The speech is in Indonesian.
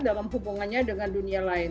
dalam hubungannya dengan dunia lain